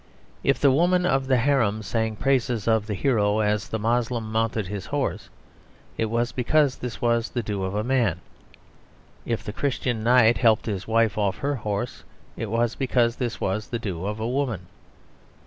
If the women of the harem sang praises of the hero as the Moslem mounted his horse, it was because this was the due of a man; if the Christian knight helped his wife off her horse, it was because this was the due of a woman.